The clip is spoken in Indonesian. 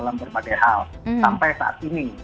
dalam berbagai hal sampai saat ini